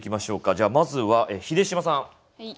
じゃあまずは秀島さん。